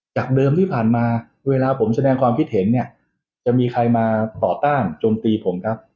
เดิมที่ผ่านมาเวลาผมแสดงความคิดเห็นเนี่ยจะมีใครมาต่อต้านโจมตีผมครับ